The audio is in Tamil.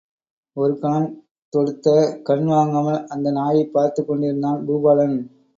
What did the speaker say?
ஒரு கணம் தொடுத்த கண் வாங்காமல் அந்த நாயைப் பார்த்துக் கொண்டிருந்தான் பூபாலன்.